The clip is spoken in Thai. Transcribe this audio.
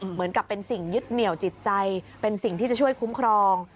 เหมือนกับเป็นสิ่งยึดเหนี่ยวจิตใจเป็นสิ่งที่จะช่วยคุ้มครอง